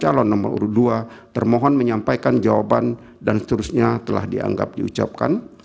calon nomor urut dua termohon menyampaikan jawaban dan seterusnya telah dianggap diucapkan